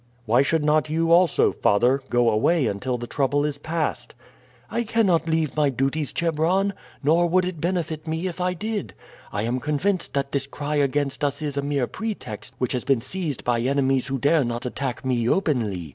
"Why should not you also, father, go away until the trouble is passed?" "I cannot leave my duties, Chebron; nor would it benefit me if I did. I am convinced that this cry against us is a mere pretext which has been seized by enemies who dare not attack me openly.